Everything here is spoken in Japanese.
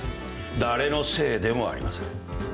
誰のせいでもありません。